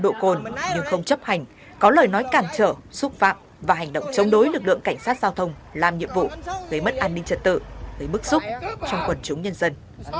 nồng độ cồn nhưng không chấp hành có lời nói cản trở xúc phạm và hành động chống đối lực lượng cảnh sát giao thông làm nhiệm vụ gây mất an ninh trật tự gây bức xúc trong quần chúng nhân dân